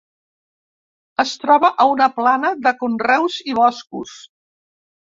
Es troba en una plana de conreus i boscos.